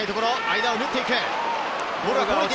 間をぬって行く。